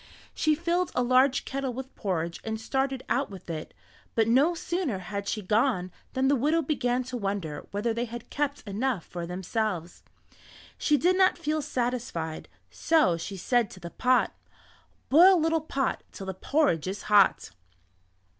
She filled a large kettle with porridge and started out with it, but no sooner had she gone than the widow began to wonder whether they had kept enough for themselves. She did not feel satisfied, so she said to the pot: "Boil little pot Till the porridge is hot."